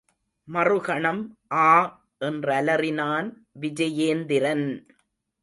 மறுகணம் ஆ! என்றலறினான் விஜயேந்திரன்!